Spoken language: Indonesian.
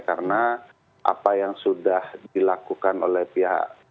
karena apa yang sudah dilakukan oleh pihak